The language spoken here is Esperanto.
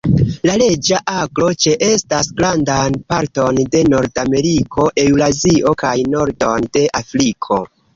La Reĝa aglo ĉeestas grandan parton de Nordameriko, Eŭrazio kaj nordon de Afriko.